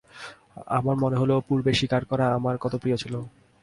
আমার মনে হইল, পূর্বে শিকার করা আমার কত প্রিয় ছিল।